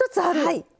はい。